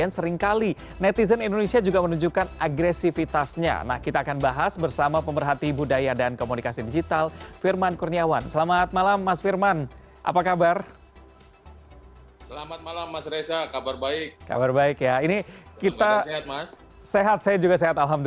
sehat saya juga sehat alhamdulillah